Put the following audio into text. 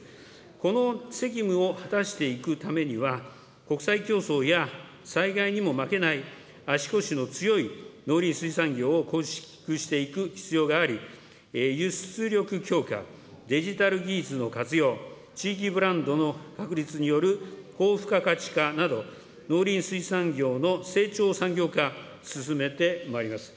この責務を果たしていくためには、国際競争や災害にも負けない足腰の強い農林水産業を構築していく必要があり、輸出力強化、デジタル技術の活用、地域ブランドの確立による高付加価値化など、農林水産業の成長産業化、進めてまいります。